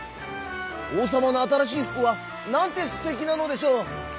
「おうさまのあたらしいふくはなんてすてきなのでしょう！」。